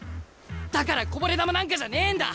だからこぼれ球なんかじゃねえんだ。